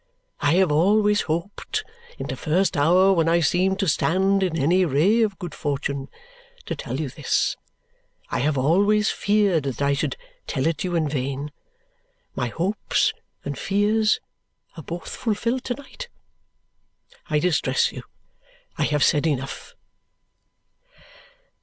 I have always hoped, in the first hour when I seemed to stand in any ray of good fortune, to tell you this. I have always feared that I should tell it you in vain. My hopes and fears are both fulfilled to night. I distress you. I have said enough."